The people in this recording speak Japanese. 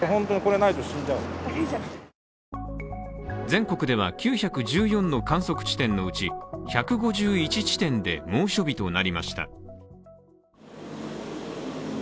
全国では９１４の観測地点のうち１５１地点で猛暑日となりました。